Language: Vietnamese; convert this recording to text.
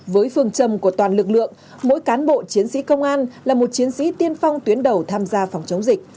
với phương trầm của toàn lực lượng mỗi cán bộ chiến sĩ công an là một chiến sĩ tiên phong tuyến đầu tham gia phòng chống dịch